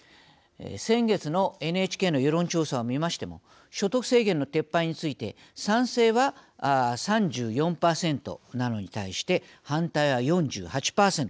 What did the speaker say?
先月のＮＨＫの世論調査を見ましても所得制限の撤廃について賛成は３４％なのに対して反対は４８％。